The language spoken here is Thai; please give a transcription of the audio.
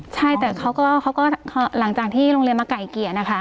ใช่แต่เขาก็หลังจากที่โรงเรียนมาไก่เกลี่ยนะคะ